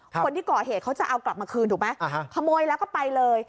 คนที่ก่อเหตุเขาจะเอากลับมาคืนถูกไหมขโมยแล้วก็ไปเลย